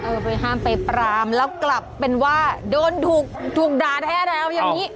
ไปห้ามไปปรามแล้วกลับเป็นว่าโดนถูกด่าแท้แล้วอย่างนี้